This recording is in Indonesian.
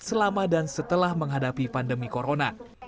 selama dan setelah menghadapi kondisi covid sembilan belas